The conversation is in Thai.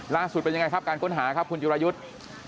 เป็นยังไงครับการค้นหาครับคุณจุรายุทธ์